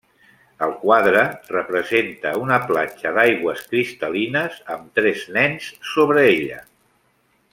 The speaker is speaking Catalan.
El quadre representa una platja d'aigües cristal·lines, amb tres nens sobre ella.